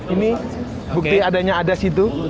ini bukti adanya ada situ